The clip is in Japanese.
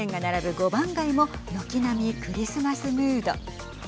５番街も軒並みクリスマスムード。